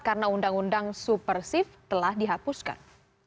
karena undang undang supersif telah dihapuskan